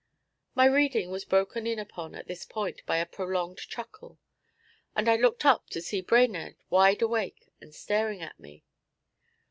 My reading was broken in upon at this point by a prolonged chuckle, and I looked up to see Brainerd wideawake and staring at me.